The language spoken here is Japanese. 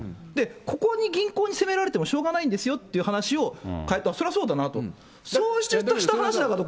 ここに銀行に責められてもしょうがないんですよっていう話を聞いて、そりゃそうだなと、そうした話だから。